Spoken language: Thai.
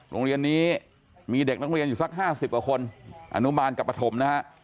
โรงเรียนนี้มีเด็กนักเรียนอยู่สัก๕๐กว่าคนอนุบาลกับปฐมนะฮะ